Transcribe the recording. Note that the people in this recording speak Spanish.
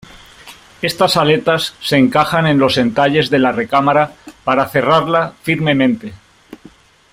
Estas aletas se encajan en los entalles de la recámara para cerrarla firmemente.